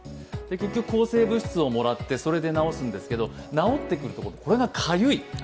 結局、抗生物質をもらってそれを治すんですけど治ってくると、かゆい。